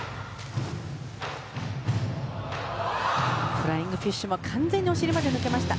フライングフィッシュも完全にお尻まで抜けました。